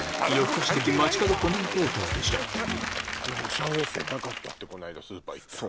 シャウエッセンなかったってこの間スーパー行ったら。